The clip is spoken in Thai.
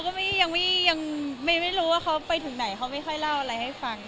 ก็ยังไม่รู้ว่าเขาไปถึงไหนเขาไม่ค่อยเล่าอะไรให้ฟัง